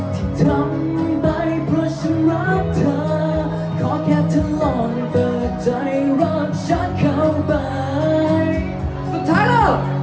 ที่ทำไปเพราะฉันรักเธอขอแค่เธอลองเปิดใจรักฉันเข้าไปขอโทษ